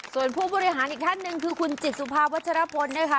ส่วนผู้บริหารอีกท่านหนึ่งคือคุณจิตสุภาวัชรพลนะคะ